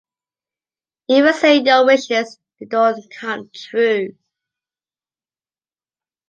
If you say your wishes, they don’t come true.